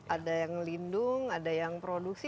ada yang lindung ada yang produksi